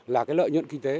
là cái lợi nhuận kinh tế